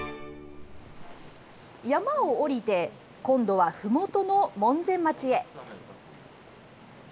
山を下りて、今度はふもとの門前町へ。